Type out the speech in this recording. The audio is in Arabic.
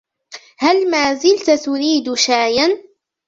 هل مازلتَ تريد شاياً؟